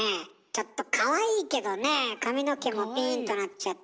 ちょっとかわいいけどねえ髪の毛もピーンとなっちゃって。